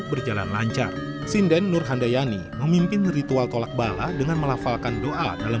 berjalan lancar sinden nurhandayani memimpin ritual tolak bala dengan melafalkan doa dalam